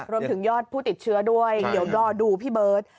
รวมถึงยอดผู้ติดเชื้อด้วยเดี๋ยวรอดูพี่เบิร์ต